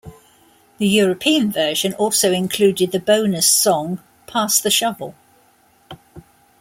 The European version also included the bonus song "Pass the Shovel".